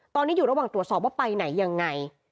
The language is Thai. ตอนนี้อยู่ระหว่างตรวจสอบว่าไปไหนยังไง